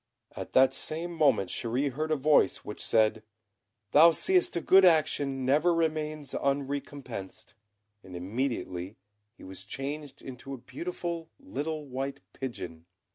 At the same moment Chéri heard a voice which said, "Thou seest a good action never remains unrecompensed;" and immediately he was changed into a beautiful little white pigeon.